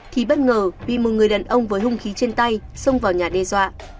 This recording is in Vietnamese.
thì bất ngờ bị một người đàn ông với hung khí trên tay xông vào nhà đe dọa